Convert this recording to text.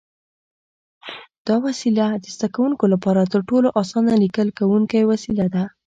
دا وسیله د زده کوونکو لپاره تر ټولو اسانه لیکل کوونکی وسیله ده.